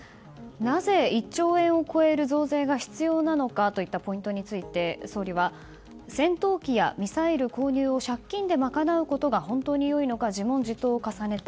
なぜ１兆円を超える増税が必要なのかというポイントについて、総理は戦闘機やミサイル購入を借金で賄うことが本当によいのか自問自答を重ねた。